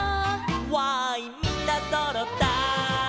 「わーいみんなそろったい」